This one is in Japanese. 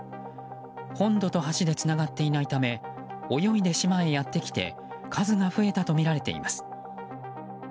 本土と橋でつながっていないため泳いで島へやってきて数が増えたとみられています。